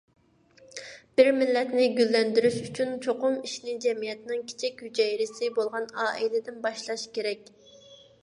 بىر مىللەتنى گۈللەندۈرۈش ئۈچۈن چوقۇم ئىشنى جەمئىيەتنىڭ كىچىك ھۈجەيرىسى بولغان ئائىلىدىن باشلاش كېرەك.